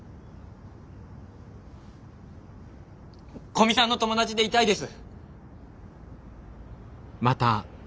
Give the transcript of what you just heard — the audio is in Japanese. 古見さんの友達でいたいです。